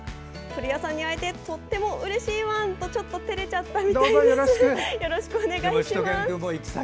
「古谷さんに会えてとってもうれしいワン！」とちょっとてれちゃったみたいです。